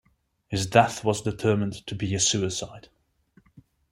His death was determined to be a suicide.